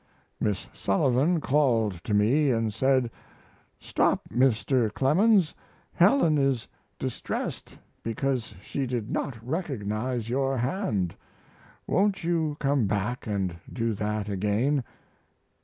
Miss Sullivan called to me and said, "Stop, Mr. Clemens, Helen is distressed because she did not recognize your hand. Won't you come back and do that again?"